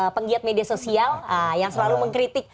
penggiat media sosial yang selalu mengkritik